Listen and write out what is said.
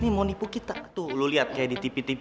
nih mau nipu kita tuh lu liat kaya di tipe dua